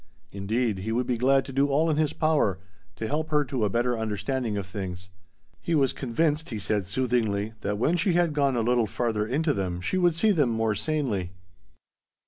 Indeed, he would be glad to do all in his power to help her to a better understanding of things. He was convinced, he said soothingly, that when she had gone a little farther into them she would see them more sanely.